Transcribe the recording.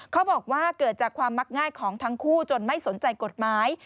เขาบอกว่าเกิดจากความมักง่ายของทั้งคู่จนไม่สนใจกฎหมาย